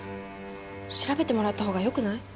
調べてもらった方が良くない？